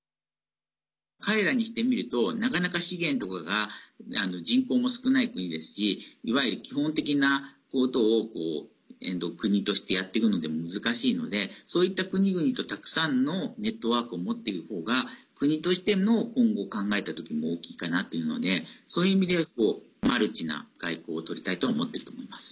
彼らにしてみるとなかなか資源とかが人口も少ない国ですしいわゆる基本的なことを国としてやっていくので難しいのでそういった国々とたくさんのネットワークを持っているほうが国としての今後を考えたときにも大きいかなというのでそういう意味ではマルチな外交をとりたいとは思っていると思います。